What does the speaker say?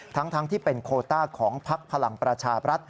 ทั้งที่เป็นโคต้าของพักพลังประชาบรัฐ